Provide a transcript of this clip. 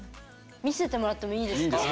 見せてもらってもいいですか？